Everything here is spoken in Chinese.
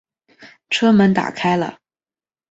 车门打开了